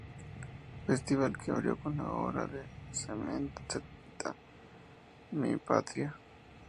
Festival, que se abrió con la obra de Smetana "Mi Patria".